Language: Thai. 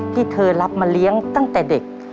ที่เธอรับมาเลี้ยงตั้งแต่เด็ก